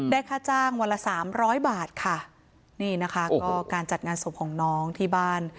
ค่าจ้างวันละสามร้อยบาทค่ะนี่นะคะก็การจัดงานศพของน้องที่บ้าน